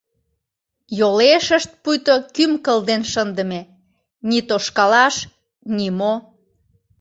Йолешышт пуйто кӱм кылден шындыме — ни тошкалаш, ни мо.